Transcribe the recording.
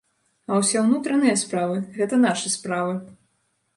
А ўсе ўнутраныя справы, гэта нашы справы.